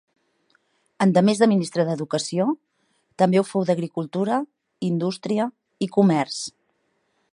Endemés de ministre d'educació, també ho fou d'agricultura, indústria i comerç.